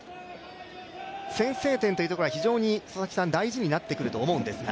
先制点というところが非常に大事になってくると思うんですが。